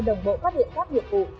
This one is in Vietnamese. đồng bộ phát hiện các nhiệm vụ